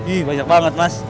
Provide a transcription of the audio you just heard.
ih banyak banget mas